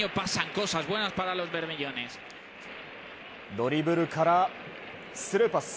ドリブルからスルーパス。